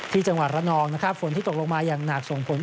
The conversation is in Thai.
ที่จังหวัดระนองฝนที่ตกลงมาอย่างหนักส่งผล